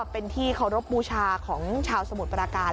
เป็นที่เคารพบูชาของชาวสมุทรปราการ